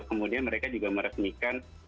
kemudian mereka juga meresmikan